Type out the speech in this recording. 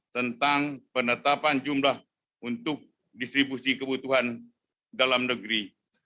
tentang penetapan jumlah untuk distribusi kebutuhan dalam negeri